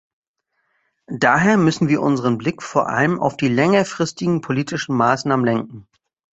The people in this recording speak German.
Daher müssen wir unseren Blick vor allem auf die längerfristigen politischen Maßnahmen lenken.